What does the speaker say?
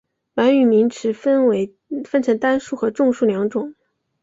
满语名词分成单数和众数两种。